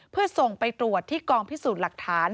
เพื่อส่งไปตรวจที่กองพิสูจน์หลักฐาน